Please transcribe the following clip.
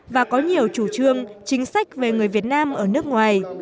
và có nhiều chủ trương chính sách về người việt nam ở nước ngoài